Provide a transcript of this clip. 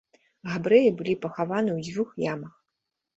Габрэі былі пахаваны ў дзвюх ямах.